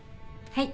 はい。